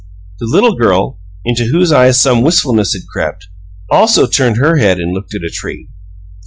The little girl, into whose eyes some wistfulness had crept, also turned her head and looked at a tree.